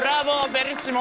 ベリッシモ！